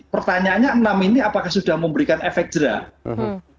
pertanyaannya enam ini apakah sudah memberikan efek jerah